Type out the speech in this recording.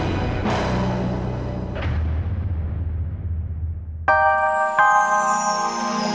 terima kasih maarah